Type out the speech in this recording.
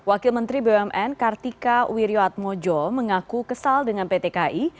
wakil menteri bumn kartika wiryadmojo mengaku kesal dengan ptki